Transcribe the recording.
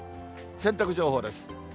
洗濯情報です。